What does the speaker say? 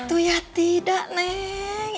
atuh ya tidak neng